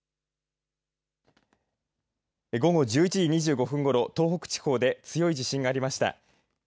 午後１１時２５分ごろ東北地方で強い揺れがありました。